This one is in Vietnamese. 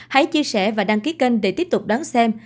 hãy chia sẻ và đăng ký kênh để tiếp tục đón xem